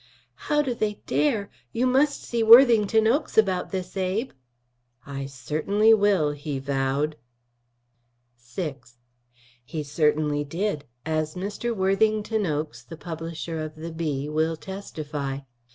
"How do they dare! You must see Worthington Oakes about this, Abe." "I certainly will," he vowed. VI He certainly did, as Mr. Worthington Oakes, the publisher of the Bee, will testify.